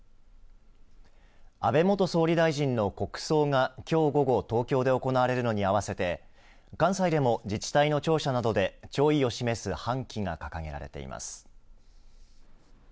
安倍元総理大臣の国葬がきょう午後東京で行われるのに合わせて関西でも実際の庁舎などで弔意を示す半旗が掲げられています。